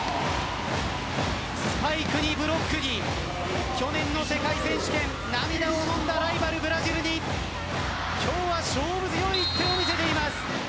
スパイクにブロックに去年の世界選手権涙をのんだライバル、ブラジルに今日は勝負強いところを見せています。